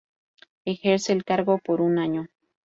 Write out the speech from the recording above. Ejerce el cargo por un año.